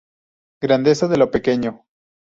Grandeza de lo pequeño.